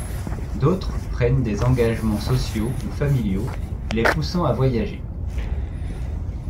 D'autres prennent des engagements sociaux ou familiaux les poussant à voyager.